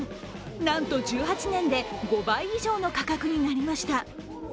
なんと１８年で５倍以上の価格になりました。